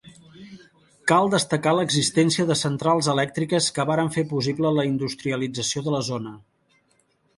Cal destacar l'existència de centrals elèctriques que varen fer possible la industrialització de la zona.